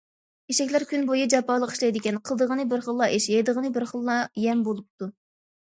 ئېشەكلەر كۈن بويى جاپالىق ئىشلەيدىكەن، قىلىدىغىنى بىر خىللا ئىش، يەيدىغىنى بىر خىللا يەم بولۇپتۇ.